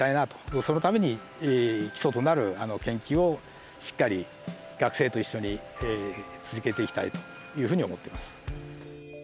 そのために基礎となる研究をしっかり学生と一緒に続けていきたいというふうに思ってます。